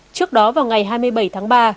trước đó vào ngày hai mươi bảy tháng ba